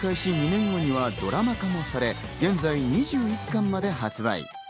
２年後にはドラマ化もされ、現在２１巻まで発売。